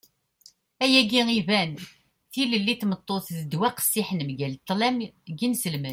ayagi iban. tilelli n tmeṭṭut d ddwa qqessiḥen mgal ṭṭlam n yinselmen